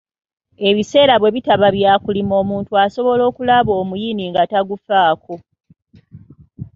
Ebiseera bwe bitaba bya kulima, omuntu asobola okulaba omuyini n’atagufaako.